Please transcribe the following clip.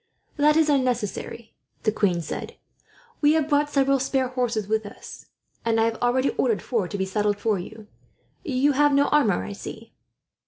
"That is unnecessary," the queen said. "We have brought several spare horses with us, and I have already ordered four to be saddled for you. You have no armour, I see."